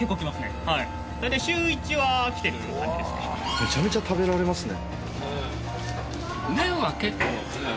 めちゃめちゃ食べられますね。